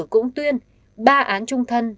cũng tuyên ba án trung thân